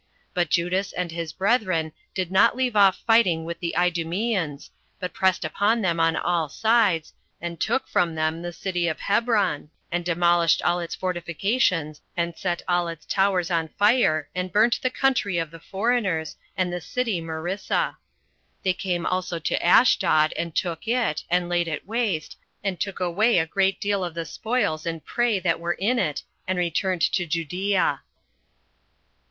But Judas and his brethren did not leave off fighting with the Idumeans, but pressed upon them on all sides, and took from them the city of Hebron, and demolished all its fortifications, and set all its towers on fire, and burnt the country of the foreigners, and the city Marissa. They came also to Ashdod, and took it, and laid it waste, and took away a great deal of the spoils and prey that were in it, and returned to Judea.